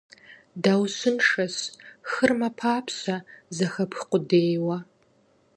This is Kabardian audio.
Даущыншэщ, хыр мэпапщэ, зэхэпх къудейуэ.